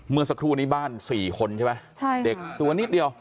เมื่อสักครู่นี้บ้าน๔คนใช่ไหมเด็กตัวนิดเดียว